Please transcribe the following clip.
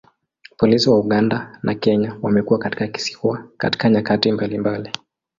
Polisi wa Uganda na Kenya wamekuwa katika kisiwa katika nyakati mbalimbali.